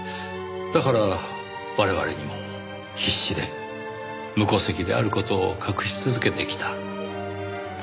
だから我々にも必死で無戸籍である事を隠し続けてきた。